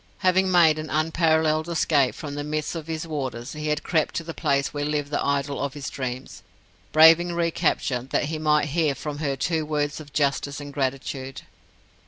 Having made an unparalleled escape from the midst of his warders, he had crept to the place where lived the idol of his dreams, braving recapture, that he might hear from her two words of justice and gratitude.